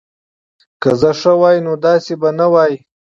که زه ښه وای نو داسی به نه وای